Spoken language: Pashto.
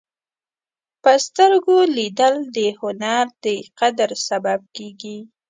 په سترګو لیدل د هنر د قدر سبب کېږي